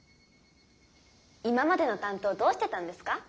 今までの担当どうしてたんですか？